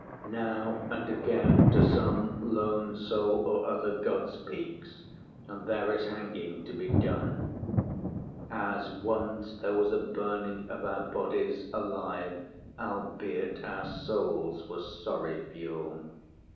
Now and again to some lone soul or other God speaks, and there is hanging to be done, As once there was a burning of our bodies Alive, albeit our souls were sorry fuel.